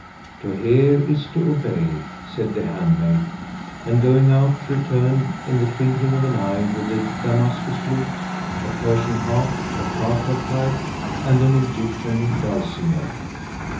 "To hear is to obey," said the handmaid and going out, returned in the twinkling of an eye with a Damascus lute,[FN#189] a Persian harp, a Tartar pipe, and an Egyptian dulcimer.